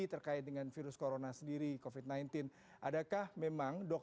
terima kasih pak